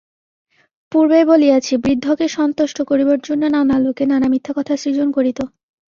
পূর্বেই বলিয়াছি, বৃদ্ধকে সন্তুষ্ট করিবার জন্য নানা লোকে নানা মিথ্যা কথার সৃজন করিত।